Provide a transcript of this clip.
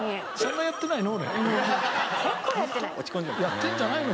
やってんじゃないの？